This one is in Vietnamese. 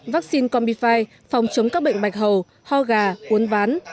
vaccine combi năm phòng chống các bệnh bạch hầu ho gà uốn ván